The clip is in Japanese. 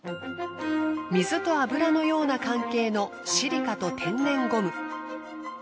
水と油のような関係のシリカと天然ゴム。